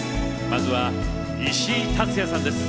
まずは石井竜也さんです。